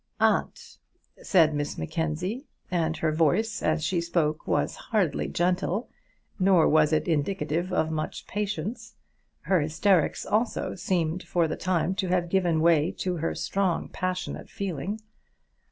"Aunt," said Miss Mackenzie, and her voice as she spoke was hardly gentle, nor was it indicative of much patience. Her hysterics also seemed for the time to have given way to her strong passionate feeling.